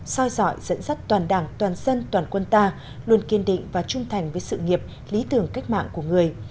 soi dọi dẫn dắt toàn đảng toàn dân toàn quân ta luôn kiên định và trung thành với sự nghiệp lý tưởng cách mạng của người